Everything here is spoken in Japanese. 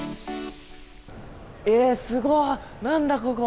えー、すごい、なんだここ。